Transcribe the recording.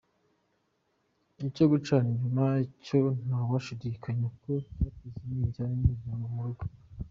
Icyo gucana inyuma cyo ntawashidikanya ko cyateza umwiryane n’imirwano mu rugo.